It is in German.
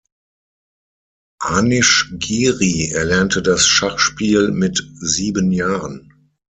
Anish Giri erlernte das Schachspiel mit sieben Jahren.